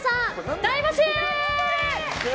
大募集！